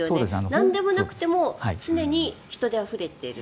なんでもなくても常に人であふれている。